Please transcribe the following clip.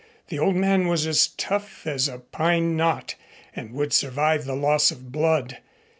The old man was as tough as a pine knot and would survive the loss of blood.